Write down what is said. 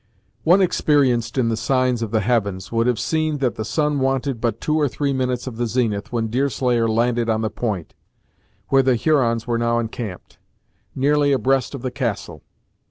One experienced in the signs of the heavens, would have seen that the sun wanted but two or three minutes of the zenith, when Deerslayer landed on the point, where the Hurons were now encamped, nearly abreast of the castle.